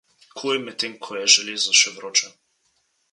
Kuj medtem ko je železo še vroče.